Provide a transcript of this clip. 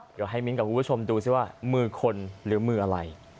เดี๋ยวให้มิ้นกับคุณผู้ชมดูซิว่ามือคนหรือมืออะไร